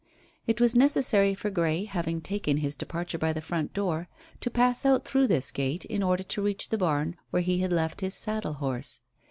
It was necessary for Grey, having taken his departure by the front door, to pass out through this gate in order to reach the barn where he had left his saddle horse.